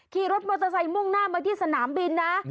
ขี่รถมอเตอร์ไซค์มุ่งหน้ามาที่สนามบินนะ